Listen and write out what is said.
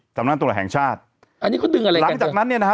ตำรวจแห่งชาติอันนี้เขาดึงอะไรหลังจากนั้นเนี่ยนะฮะ